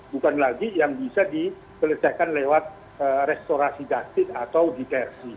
bukan lagi yang bisa dikelecehkan lewat restorasi dasit atau dikersi